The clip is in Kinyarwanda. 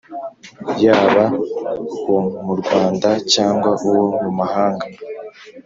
yaba uwo mu rwanda cyangwa uwo mu mahanga